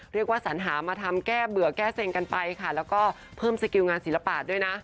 สัญหามาทำแก้เบื่อแก้เซ็งกันไปค่ะแล้วก็เพิ่มสกิลงานศิลปะด้วยนะ